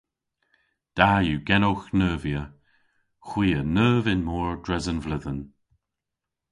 Da yw genowgh neuvya. Hwi a neuv y'n mor dres an vledhen.